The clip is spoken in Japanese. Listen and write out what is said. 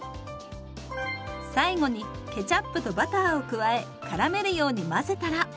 最後にケチャップとバターを加えからめるように混ぜたら。